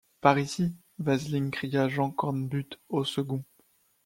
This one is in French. Par ici, Vasling, cria Jean Cornbutte au second.